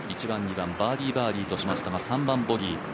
１番２番、バーディー・バーディーとしましたが、３番ボギー。